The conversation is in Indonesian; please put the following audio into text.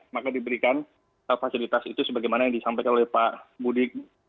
maka diberikan fasilitas itu sebagaimana yang disampaikan oleh pak budi